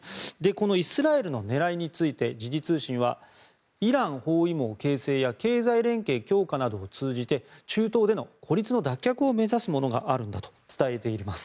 このイスラエルの狙いについて時事通信はイラン包囲網形成や経済連携強化などを通じて中東での孤立の脱却を目指すものがあるんだと伝えています。